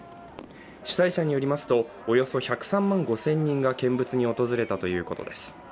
主催者によりますとおよそ１０３万５０００人が、見物に訪れたということです。